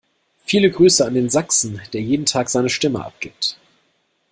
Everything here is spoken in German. Viele Grüße an den Sachsen, der jeden Tag seine Stimme abgibt!